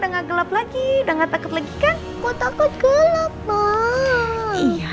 dan gak ada yang mencurigakan soal jessica